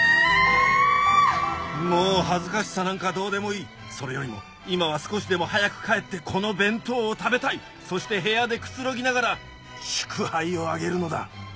もう恥ずかしさなんかどうでもいいそれよりも今は少しでも早く帰ってこの弁当を食べたいそして部屋でくつろぎながら祝杯を挙げるのだ